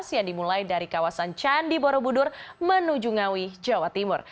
yang dimulai dari kawasan candi borobudur menuju ngawi jawa timur